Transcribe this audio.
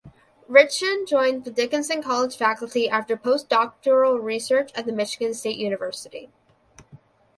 Richeson joined the Dickinson College faculty after postdoctoral research at Michigan State University.